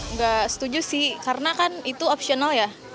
nggak setuju sih karena kan itu optional ya